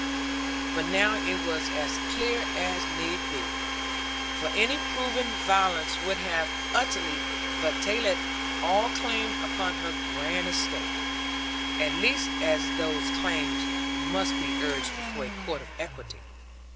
But now it was as clear as need be. For any proven violence would have utterly vitiated all claim upon her grand estate; at least as those claims must be urged before a court of equity.